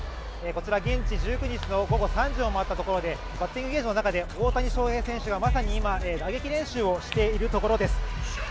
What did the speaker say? こちら、現地１９日の午後３時を回ったところでバッティングゲージの中で大谷選手は今、打撃練習をしているところです。